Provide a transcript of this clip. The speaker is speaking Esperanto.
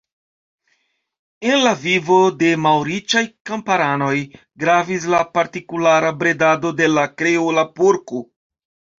En la vivo de malriĉaj kamparanoj gravis la partikulara bredado de la Kreola porko.